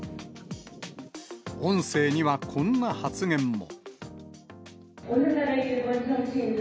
音声にはこんな発言も。